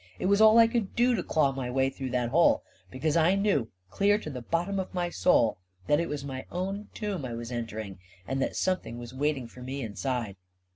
It was all I could do to claw my way through that hole, because I knew, clear to the bottom of my soul, that it was my own tomb I was entering, and that something was waiting for me inside."